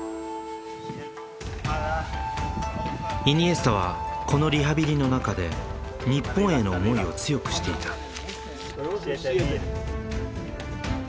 イニエスタはこのリハビリの中で日本への思いを強くしていた。